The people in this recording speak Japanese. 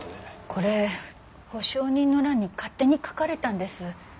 これ保証人の欄に勝手に書かれたんです私の名前。